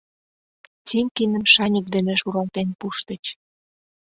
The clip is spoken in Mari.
Тимкиным шаньык дене шуралтен пуштыч!..